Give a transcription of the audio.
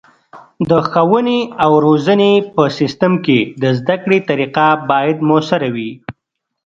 د ښوونې او روزنې په سیستم کې د زده کړې طریقه باید مؤثره وي.